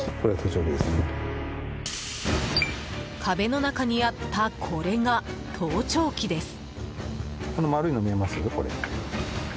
壁の中にあったこれが盗聴器です。